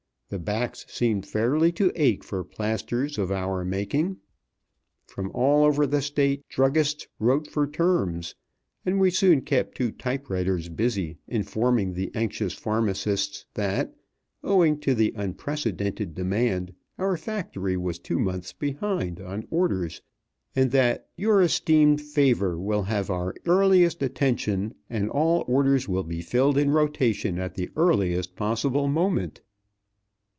The backs seemed fairly to ache for plasters of our making. From all over the State druggists wrote for terms; and we soon kept two typewriters busy informing the anxious pharmacists that, owing to the unprecedented demand, our factory was two months behind on orders, and that "your esteemed favor will have our earliest attention, and all orders will be filled in rotation at the earliest possible moment."